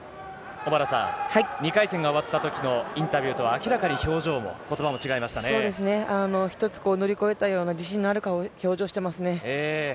小原さん、２回戦が終わったときのインタビューとは明らかに表情もことばもそうですね、一つ乗り越えたような自信がある顔、表情をしてますね。